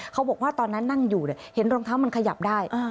เขาบอกว่าตอนนั้นนั่งอยู่เห็นรองเท้ามันขยับได้